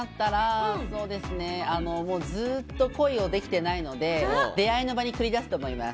もうずっと恋をできてないので、出会いの場に繰り出すと思います。